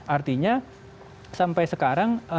artinya sampai sekarang